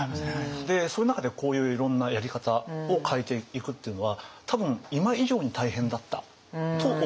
でその中でこういういろんなやり方を変えていくというのは多分今以上に大変だったと思うんですよね。